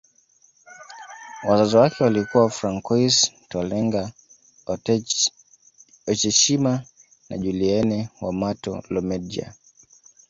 Wazazi wake walikuwa Francois Tolenga Otetshima na Julienne Wamato Lomendja